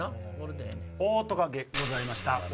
オオトカゲございました。